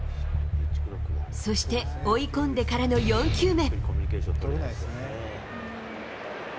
そして、追い込んでからの４球目。